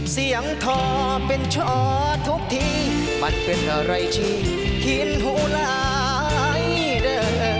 ทอเป็นช้อทุกทีมันเป็นอะไรที่กินหูหลายเด้อ